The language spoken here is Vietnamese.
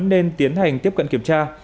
nên tiến hành tiếp cận kiểm tra